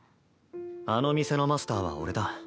あの店のマスターは俺だ。